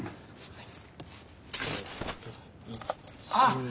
はい。